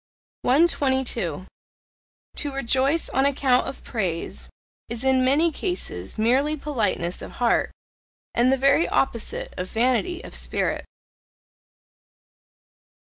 122. To rejoice on account of praise is in many cases merely politeness of heart and the very opposite of vanity of spirit.